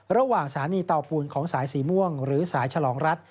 สถานีเตาปูนของสายสีม่วงหรือสายฉลองรัฐ